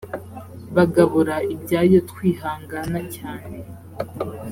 bagabura ibyayo twihangana cyane